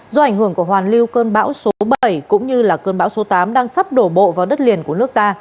do ảnh hưởng của hoàn lưu cơn bão số bảy cũng như cơn bão số tám đang sắp đổ bộ vào đất liền của nước ta